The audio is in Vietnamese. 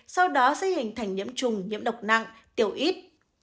sau đó sẽ hình thành nhiễm trùng nhiễm độc nặng tiểu ít